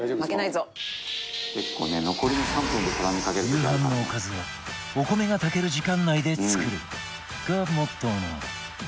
「夕飯のおかずはお米が炊ける時間内で作る」がモットーの和田明日香